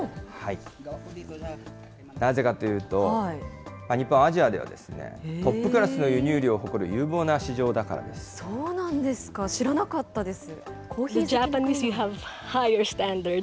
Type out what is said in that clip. なぜかというと、日本はアジアではトップクラスの輸入量を誇そうなんですか、知らなかったです。